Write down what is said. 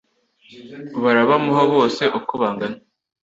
barabamuha bose uko bangana